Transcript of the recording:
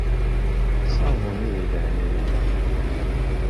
Ṣṣabun-nni, deg leɛnaya-k.